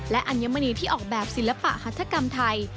และอัญมณีที่ออกแบบศิลปะหัฐกรรมไทย